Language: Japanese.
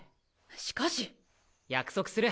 しかし！約束する。